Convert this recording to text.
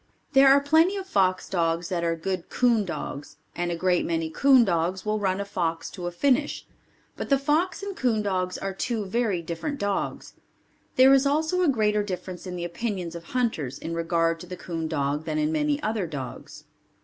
There are plenty of fox dogs that are good coon dogs, and a great many coon dogs will run a fox to a finish, but the fox and coon dogs are two very different dogs. There is also a greater difference in the opinions of hunters, in regard to the coon dog than in any other dogs.